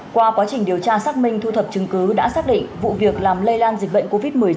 qua quá trình điều tra xác minh thu thập chứng cứ đã xác định vụ việc làm lây lan dịch bệnh covid một mươi chín